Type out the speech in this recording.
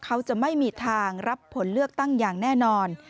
เขาจะไม่มีทางรับผลเลือกตั้งอย่างแน่นอน